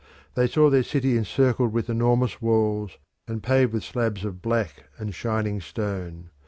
They saw their city encircled with enormous walls, and paved with slabs of black and shining stone.